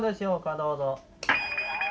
どうぞ。